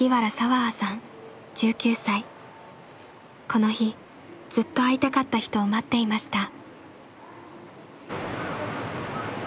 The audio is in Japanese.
この日ずっと会いたかった人を待っていました。